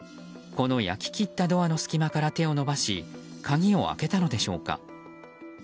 この焼き切ったドアの隙間から手を伸ばし鍵を開けたのでしょうか。